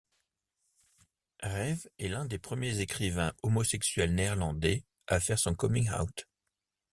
Reve est l'un des premiers écrivains homosexuels néerlandais à faire son coming-out.